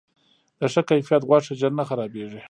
د ښه کیفیت غوښه ژر نه خرابیږي.